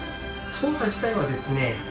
操作自体はですね